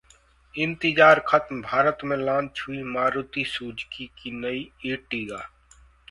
इंतजार खत्म! भारत में लॉन्च हुई मारुति सुजुकी की नई Ertiga